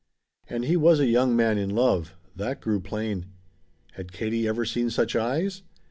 And he was a young man in love that grew plain. Had Katie ever seen such eyes?